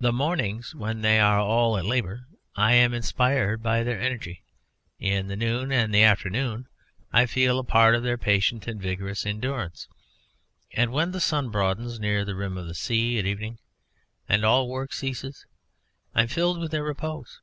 The mornings, when they are all at labour, I am inspired by their energy; in the noons and afternoons I feel a part of their patient and vigorous endurance; and when the sun broadens near the rim of the sea at evening, and all work ceases, I am filled with their repose.